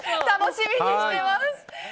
楽しみにしてます。